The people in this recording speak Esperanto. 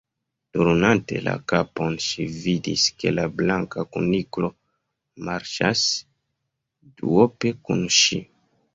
Turnante la kapon, ŝi vidis ke la Blanka Kuniklo marŝas duope kun ŝi.